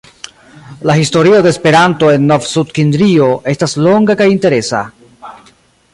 La historio de Esperanto en Novsudkimrio estas longa kaj interesa.